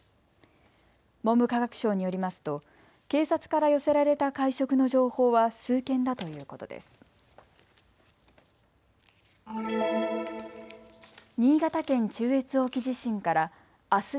文部科学省によりますと警察から寄せられた会食の情報は数件だということです。